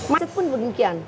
macet pun begikian